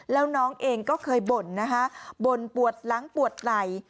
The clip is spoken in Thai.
แล้วน้องเองก็เคยบ่นนะคะบ่นปวดหลังปวดไหล่